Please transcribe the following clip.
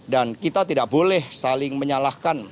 dan kita tidak boleh saling menyalahkan